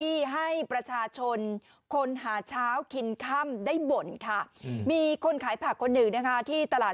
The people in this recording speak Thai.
ที่ให้ประชาชนคนหาเช้ากินค่ำได้บ่นค่ะมีคนขายผักคนหนึ่งนะคะที่ตลาด